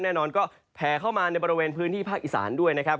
แน่นอนก็แผลเข้ามาในบริเวณพื้นที่ภาคอีสานด้วยนะครับ